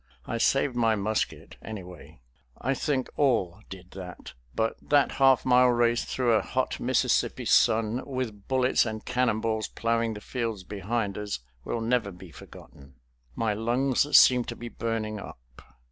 I saved my musket, anyway. I think all did that, but that half mile race through a hot Mississippi sun, with bullets and cannonballs plowing the fields behind us, will never be forgotten. My lungs seemed to be burning up.